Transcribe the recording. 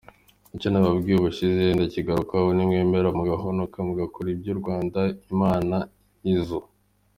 Icyo nababwiye ubushize ndakigarukaho nimwemera mugahonoka mugakora ibyo i Rwanda, imana izo!